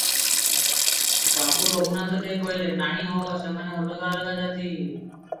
ବାବୁ ରଘୁନାଥ ଦେ କହିଲେ, "ନାହିଁ ହୋ, ସେମାନେ ଅଲଗା ଅଲଗା ଜାତି ।